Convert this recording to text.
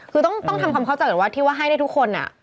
คือต้องทำความเข้าใจก่อนว่าที่ว่าให้ได้ทุกคน